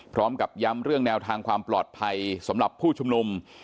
พร้อมกับย้ำเรื่องแนวทางความปลอดภัยสำหรับผู้ชุมนุม